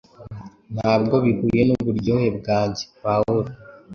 Ntabwo bihuye nuburyohe bwanjye_paul